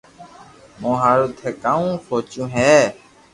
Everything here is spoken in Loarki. مون ھارو ٿي ڪاو سوچيو ھي